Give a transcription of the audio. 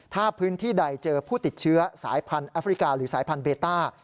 ถ้าพื้นที่ใดเจอผู้ติดเชื้อสายพันธุ์แอฟริกาหรือสายพันธุเบต้า